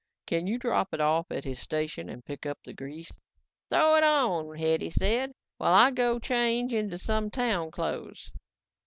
Can you drop it off at his station and pick up the grease?" "Throw it on," Hetty said, "while I go change into some town clothes."